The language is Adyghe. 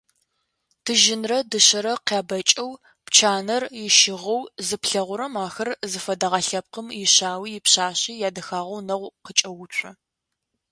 Тыжьынрэ, дышъэрэ къябэкӏэу, пчанэр ищыгъэу зыплъэгъурэм ахэр зыфадыгъэ лъэпкъым ишъауи ипшъашъи ядэхагъэ унэгу къыкӏэуцо.